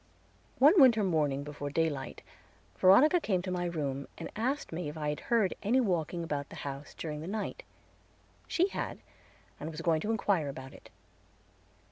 One winter morning before daylight, Veronica came to my room, and asked me if I had heard any walking about the house during the night. She had, and was going to inquire about it.